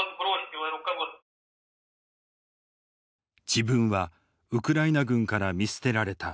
自分はウクライナ軍から見捨てられた。